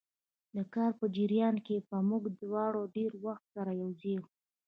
د کار په جریان کې به موږ دواړه ډېر وخت سره یو ځای وو.